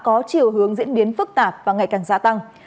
có chiều hướng diễn biến phức tạp và ngày càng gia tăng